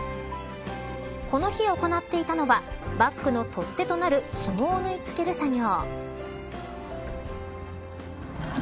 この日行っていたのはバックの取っ手となるひもを縫い付ける作業。